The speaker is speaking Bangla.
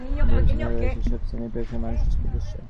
এই অর্জনের পেছনে রয়েছে সব শ্রেণি পেশার মানুষের প্রচেষ্টা।